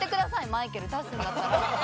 マイケル出すんだったら。